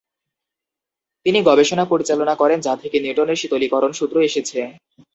তিনি গবেষণা পরিচালনা করেন যা থেকে নিউটনের শীতলীকরণ সূত্র এসেছে।